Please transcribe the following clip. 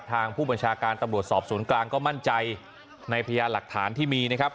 ทางผู้บัญชาการตำรวจสอบศูนย์กลางก็มั่นใจในพยานหลักฐานที่มีนะครับ